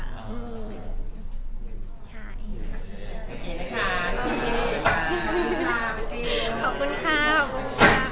โอเคแล็กแล้ว